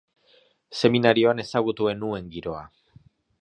Seminarioan ezagutu ez nuen giroa.